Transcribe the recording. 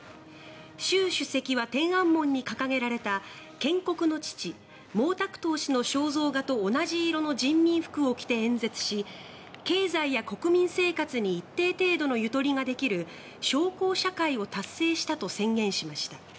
習主席は天安門に掲げられた建国の父、毛沢東氏の肖像画と同じ色の人民服を着て演説し経済や国民生活に一定程度のゆとりができる小康社会を達成したと宣言しました。